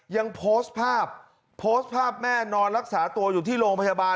ยังโพสต์ภาพโพสต์ภาพแม่นอนรักษาตัวอยู่ที่โรงพยาบาล